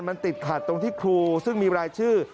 มันติดขัดตรงที่ครูซึ่งมีรายชื่อ